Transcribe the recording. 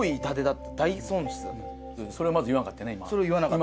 それを言わなかった。